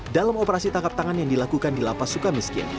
dalam operasi tangkap tangan yang dilakukan di lapas suka miskin